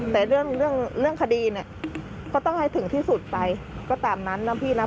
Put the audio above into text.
แต่เรื่องเรื่องคดีเนี่ยก็ต้องให้ถึงที่สุดไปก็ตามนั้นนะพี่นะ